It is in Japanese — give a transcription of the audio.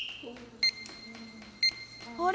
あれ？